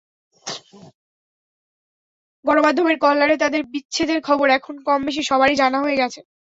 গণমাধ্যমের কল্যাণে তাঁদের বিচ্ছেদের খবর এখন কমবেশি সবারই জানা হয়ে গেছে।